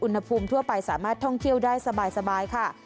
ทั่วไปสามารถท่องเที่ยวได้สบายค่ะ